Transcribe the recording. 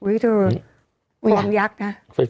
อุ้ยเธอฟอร์มยักษ์นะ